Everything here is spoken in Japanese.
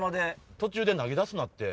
途中で投げ出すなって！